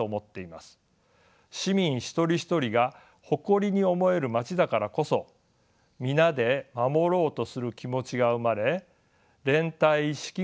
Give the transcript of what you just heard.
市民一人一人が誇りに思える街だからこそ皆で守ろうとする気持ちが生まれ連帯意識もはぐくまれる。